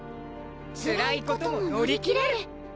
つらいことも乗り切れる。